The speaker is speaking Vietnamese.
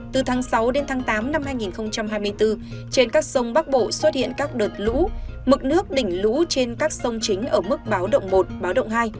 từ tháng sáu đến tháng tám năm hai nghìn hai mươi bốn trên các sông bắc bộ xuất hiện các đợt lũ mực nước đỉnh lũ trên các sông chính ở mức báo động một báo động hai